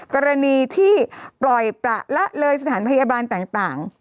กรณีที่ปล่อยประละเลยสถานพยาบาลต่าง